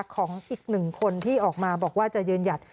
ของอีกหนึ่งคนที่ออกมาบอกว่าจะยืนหยัด